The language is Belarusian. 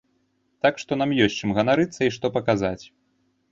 Так што нам ёсць чым ганарыцца і што паказаць.